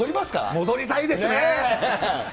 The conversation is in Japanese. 戻りたいですね。